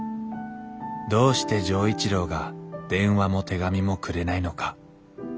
どうして錠一郎が電話も手紙もくれないのか